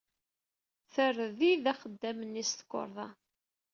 Terdid axeddam-nni s tukerḍa.